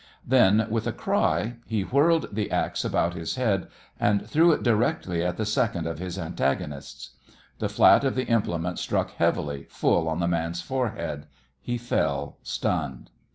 Then, with a cry, he whirled the axe about his head and threw it directly at the second of his antagonists. The flat of the implement struck heavily, full on the man's forehead. He fell, stunned.